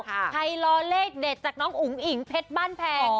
ใครรอเลขเด็ดจากน้องอุ๋งอิ๋งเพชรบ้านแพง